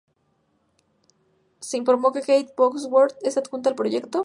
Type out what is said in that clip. Se informó que Kate Bosworth es adjunta al proyecto.